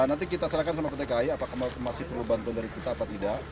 nanti kita serahkan sama pt kai apakah masih perlu bantuan dari kita atau tidak